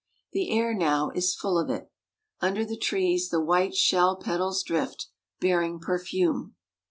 The air, now, is full of it. Under the trees the white shell petals drift, bearing perfume.